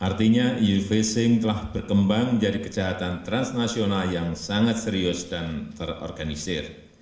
artinya eu facing telah berkembang menjadi kejahatan transnasional yang sangat serius dan terorganisir